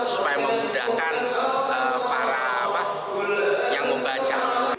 supaya memudahkan para yang membaca